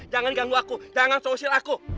jangan ganggu aku jangan sosil aku